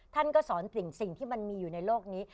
ท่านก็สอนสิ่งที่มันมีอยู่ในโลกนี้